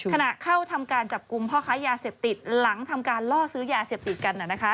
ขณะเข้าทำการจับกลุ่มพ่อค้ายาเสพติดหลังทำการล่อซื้อยาเสพติดกัน